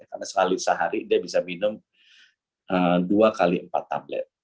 karena sekali sehari dia bisa minum dua x empat tablet